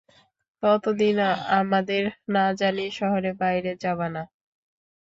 ততদিন আমাদের না জানিয়ে শহরের বাইরে যাবা না।